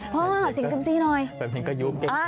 ฟันเพลงก็ยุเก่ง